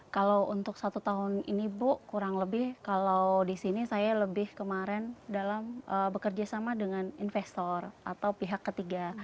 kalau untuk satu tahun ini bu kurang lebih kalau di sini saya lebih kemarin dalam bekerja sama dengan investor atau pihak ketiga